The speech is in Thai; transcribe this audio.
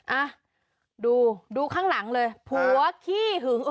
อ่ะดูดูข้างหลังเลยผัวข่อขี่หึงเอ้อ